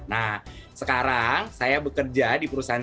nah sekarang saya bekerja di perusahaan